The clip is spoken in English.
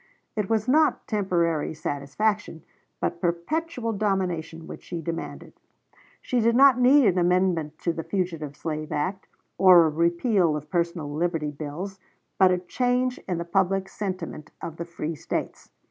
It was not temporary satisfaction, but perpetual domination which she demanded. She did not need an amendment of the fugitive slave act, or a repeal of personal liberty bills, but a change in the public sentiment of the free States.